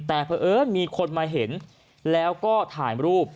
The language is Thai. แต่เพราะเอิญมีคนมาเห็นแล้วก็ถ่ายรูป